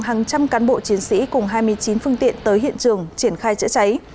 hàng trăm cán bộ chiến sĩ cùng hai mươi chín phương tiện tới hiện trường triển khai chữa cháy